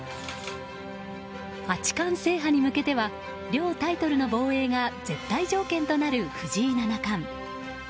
八冠制覇に向けては両タイトルの防衛が絶対条件となる藤井七冠。